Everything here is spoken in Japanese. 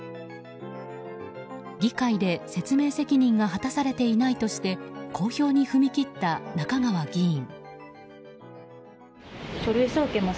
議会で説明責任が果たされていないとして公表に踏み切った中川議員。